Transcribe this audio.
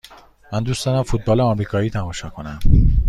من دوست دارم فوتبال آمریکایی تماشا کنم.